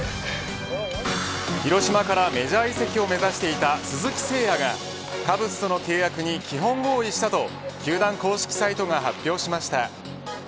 広島からメジャー移籍を目指してた鈴木誠也はカブスとの契約に基本合意したと球団公式サイトが発表しました。